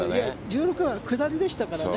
１６は下りですからね。